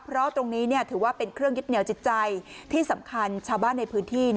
เพราะตรงนี้ถือว่าเป็นเครื่องยึดเหนียวจิตใจที่สำคัญชาวบ้านในพื้นที่